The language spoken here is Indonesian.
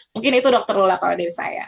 mungkin itu dokter lula kalau dari saya